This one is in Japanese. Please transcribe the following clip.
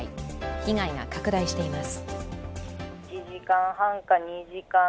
被害が拡大しています。